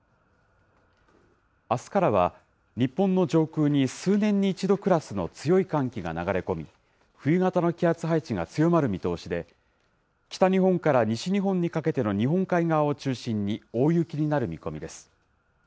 あすからは、日本の上空に数年に一度クラスの強い寒気が流れ込み、冬型の気圧配置が強まる見通しで、北日本から西日本にかけての日本海側を中心に、大雪になる見込みです。